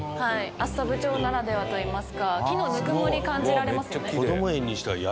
厚沢部町ならではといいますか木のぬくもり感じられますよね。